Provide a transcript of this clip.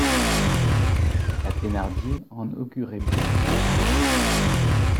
La Thénardier en augurait bien.